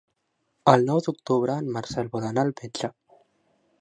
El nou d'octubre en Marcel vol anar al metge.